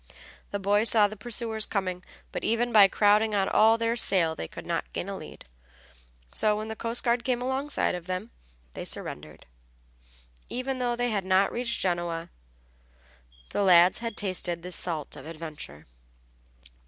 The boys saw the pursuers coming, but even by crowding on all their sail they could not gain a lead. So when the coast guard came alongside of them they surrendered. Even though they had not reached Genoa, the lads had tasted the salt of adventure.